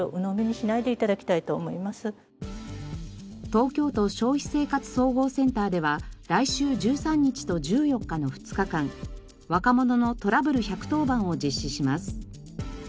東京都消費生活総合センターでは来週１３日と１４日の２日間「若者のトラブル１１０番」を実施します。